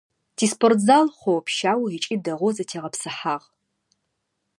Тиспортзал хъоопщау ыкӏи дэгъоу зэтегъэпсыхьагъ.